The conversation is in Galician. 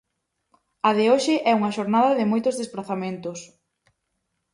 A de hoxe é unha xornada de moitos desprazamentos.